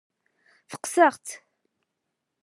Tekkes-aɣ-t.